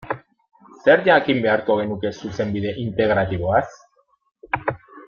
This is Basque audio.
Zer jakin beharko genuke Zuzenbide Integratiboaz?